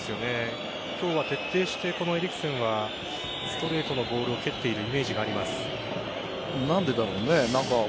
今日は徹底してエリクセンはストレートのボールを蹴っている何でだろうね。